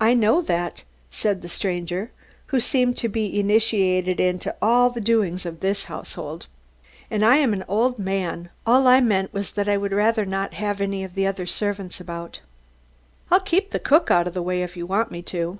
"I know that," said the stranger, who seemed to be initiated into all the doings of this household. "And I am an old man all I meant was that I would rather not have any of the other servants about." "I'll keep the cook out of the way if you want me to."